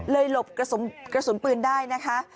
หลบกระสุนปืนได้นะคะ